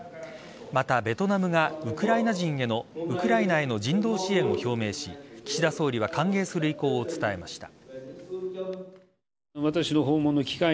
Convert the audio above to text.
また、ベトナムがウクライナへの人道支援を表明し岸田総理は歓迎する意向を伝えました。